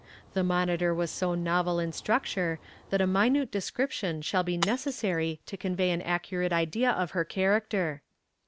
The Monitor is so novel in structure that a minute description will be necessary to convey an accurate idea of her character.